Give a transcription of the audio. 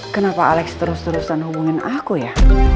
kenapa alex terus terusan hubungin aku ya